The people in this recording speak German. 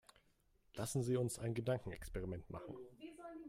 Lassen Sie uns ein Gedankenexperiment machen.